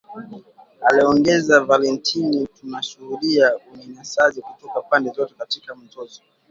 aliongeza Valentine ,Tunashuhudia unyanyasaji kutoka pande zote katika mzozo